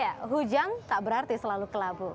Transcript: ya hujan tak berarti selalu kelabu